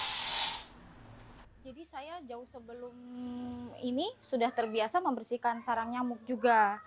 jadi saya jauh sebelum ini sudah terbiasa membersihkan sarang nyamuk juga